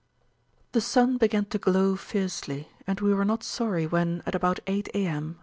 The sun began to glow fiercely, and we were not sorry when, at about eight A.M.